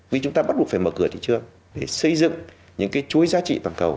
vì chúng ta bắt buộc phải mở cửa thị trường để xây dựng những cái chuỗi giá trị toàn cầu